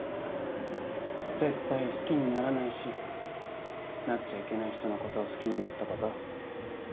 絶対好きにならないしなっちゃいけない人のことを好きになったこと？